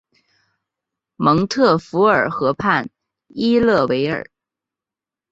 蒙特福尔河畔伊勒维尔。